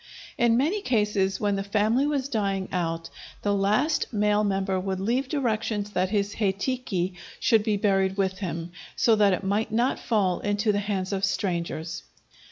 In many cases, when the family was dying out, the last male member would leave directions that his hei tiki should be buried with him, so that it might not fall into the hands of strangers.